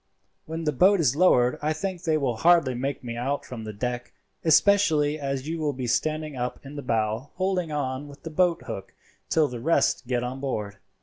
When the boat is lowered I think they will hardly make me out from the deck, especially as you will be standing up in the bow holding on with the boat hook till the rest get on board."